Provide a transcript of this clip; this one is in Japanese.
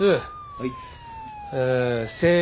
はい。